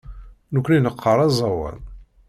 Nekkni neqqar aẓawan.